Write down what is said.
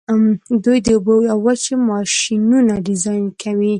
دوی د اوبو او وچې ماشینونه ډیزاین کوي.